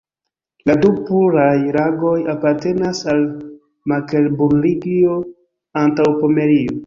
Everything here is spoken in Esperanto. La du puraj lagoj apartenas al Meklenburgio-Antaŭpomerio.